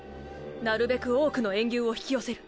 なるべく多くの炎牛を引き寄せる。